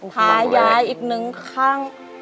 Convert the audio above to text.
ทายายอีกหนึ่งครั้ง